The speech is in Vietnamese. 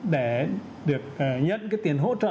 để được nhận cái tiền hỗ trợ